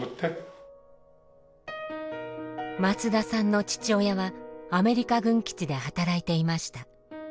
松田さんの父親はアメリカ軍基地で働いていました。